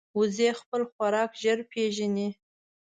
وزې خپل خوراک ژر پېژني